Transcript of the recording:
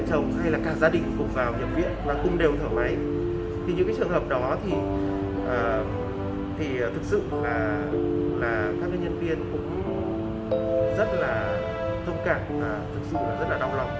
các bệnh nhân cũng rất thông cảm và đau lòng